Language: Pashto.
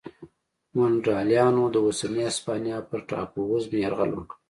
ونډالیانو د اوسنۍ هسپانیا پر ټاپو وزمې یرغل وکړ